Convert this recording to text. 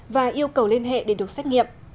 và yêu cầu liên hệ để được xét nghiệm